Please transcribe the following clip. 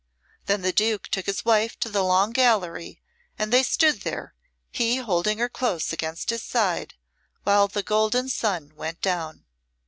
Then the Duke took his wife to the Long Gallery and they stood there, he holding her close against his side, while the golden sun went down.